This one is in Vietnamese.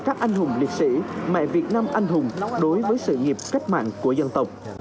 các anh hùng liệt sĩ mẹ việt nam anh hùng đối với sự nghiệp cách mạng của dân tộc